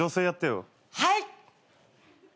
はい！